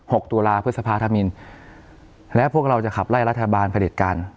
ตุลาพฤษภาธมินและพวกเราจะขับไล่รัฐบาลผลิตการ